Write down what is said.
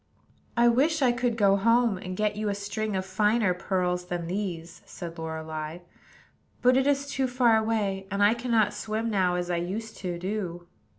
"I wish I could go home, and get you a string of finer pearls than these," said Lorelei; "but it is too far away, and I cannot swim now as I used to do."